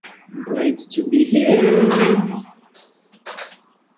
Newark, like Indianapolis, had never before been headed by a cardinal.